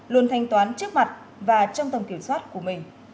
luôn thanh toán trước mặt và trong tầm kiểm soát của mình